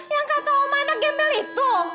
yang kata oma anak gemel itu